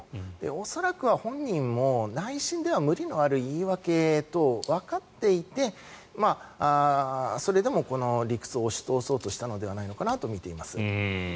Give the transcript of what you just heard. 恐らくは本人も内心では無理のある言い訳とわかっていてそれでも理屈を押し通そうとしていたのではないかなとみています。